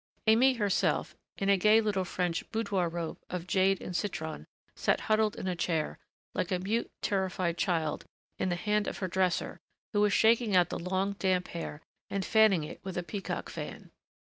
Aimée herself, in a gay little French boudoir robe of jade and citron, sat huddled in a chair, like a mute, terrified child, in the hand of her dresser, who was shaking out the long, damp hair and fanning it with a peacock fan.